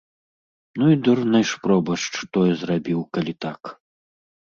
Ну і дурны ж пробашч тое зрабіў, калі так.